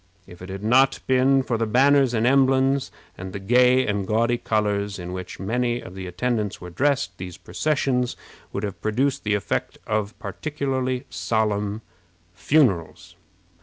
If it had not been for the banners and emblems, and the gay and gaudy colors in which many of the attendants were dressed, these processions would have produced the effect of particularly solemn funerals.